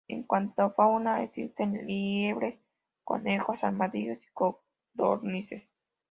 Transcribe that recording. En cuanto a fauna existen liebres, conejos, armadillos y codornices.